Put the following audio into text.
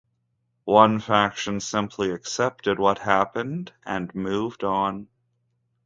One faction simply accepted what happened and moved on.